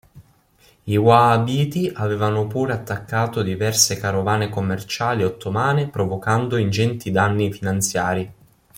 I wahhabiti avevano pure attaccato diverse carovane commerciali ottomane provocando ingenti danni finanziari.